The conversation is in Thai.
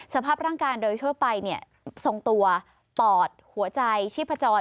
สภาพร่างการโดยช่วงไปทรงตัวปอดหัวใจชิบประจอด